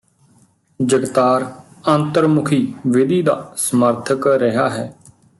ਜਗਤਾਰ ਅੰਤਰ ਮੁਖੀ ਵਿਧੀ ਦਾ ਸਮਰਥਕ ਰਿਹਾ ਹੈ